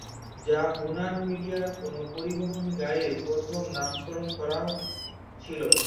যা হুনান মিডিয়ায় কোন পরিবহন গাড়ির প্রথম নামকরণ করা ছিল।